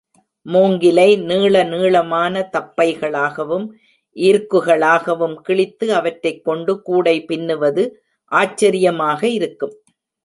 மூங்கிலை நீள நீளமான தப்பைகளாகவும் ஈர்க்குகளாகவும் கிழித்து அவற்றைக்கொண்டு கூடை பின்னுவது ஆச்சரியமாக இருக்கும்.